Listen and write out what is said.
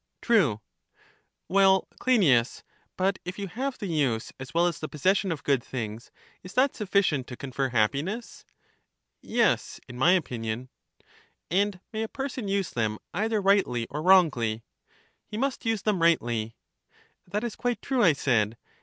True. Well, Cleinias, but if you have the use as well as the possession of good things, is that sufficient to confer happiness? Yes, in my opinion. And may a person use them either rightly or wrongly? He must use them rightly. That is quite true, I said.